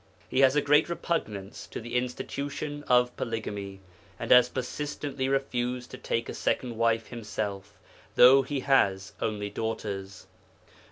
He has a great repugnance to the institution of polygamy, and has persistently refused to take a second wife himself, though he has only daughters.